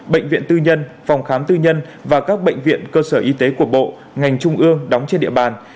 bệnh viện tư nhân phòng khám tư nhân và các bệnh viện cơ sở y tế của bộ ngành trung ương đóng trên địa bàn